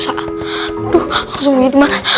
aduh langsung wiedman